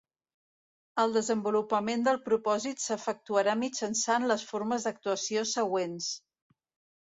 El desenvolupament del propòsit s'efectuarà mitjançant les formes d'actuació següents: